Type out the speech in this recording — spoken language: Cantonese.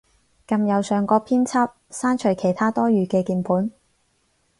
撳右上角編輯，刪除其它多餘嘅鍵盤